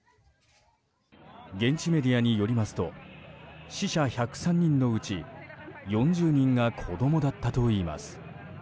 現地メディアによりますと死者１０３人のうち４０人が子供だったといいます。